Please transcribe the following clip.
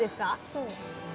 そう。